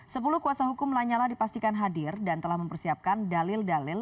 sepuluh kuasa hukum lanyala dipastikan hadir dan telah mempersiapkan dalil dalil